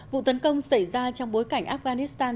vụ tấn công xảy ra trong bối cảnh afghanistan